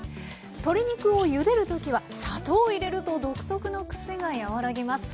鶏肉をゆでる時は砂糖を入れると独特のクセが和らぎます。